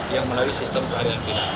yang melalui sistem peribadi